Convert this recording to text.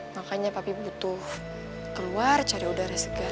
makanya papi butuh keluar cari udara segar